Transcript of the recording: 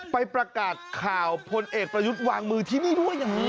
ไปประกาศข่าวพลเอกประยุทธ์วางมือที่นี่ด้วยอย่างนี้